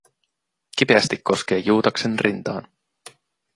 Kipeästi koskee Juutaksen rintaan.